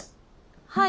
はい。